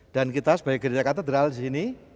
dan kita sebagai gereja katedral disini